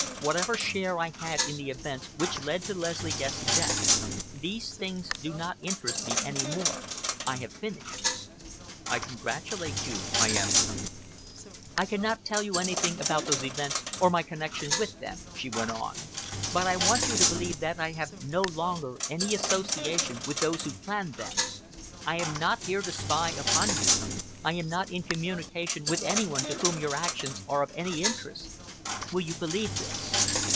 Whatever share I had in the events which led to Leslie Guest's death, these things do not interest me any more. I have finished." "I congratulate you," I answered. "I cannot tell you anything about those events, or my connection with them," she went on, "but I want you to believe that I have no longer any association with those who planned them. I am not here to spy upon you. I am not in communication with any one to whom your actions are of any interest. Will you believe this?"